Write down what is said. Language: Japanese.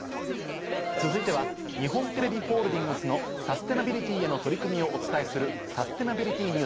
続いては日本テレビホールディングスのサステナビリティへの取り組みをお伝えする。